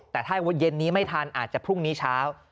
แต่ถ้าว่าเย็นนี้ไม่ทันอาจจะพรุ่งนี้เช้า